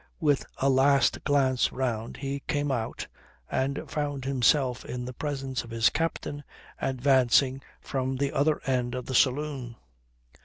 With a last glance round he came out and found himself in the presence of his captain advancing from the other end of the saloon.